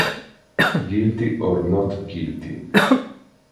Guilty or Not Guilty